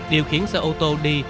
điều khiến xe ô tô đi